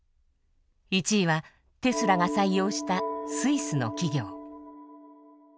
１位はテスラが採用したスイスの企業。